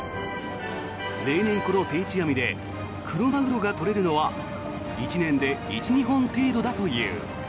例年、この定置網でクロマグロが取れるのは１年で１２本程度だという。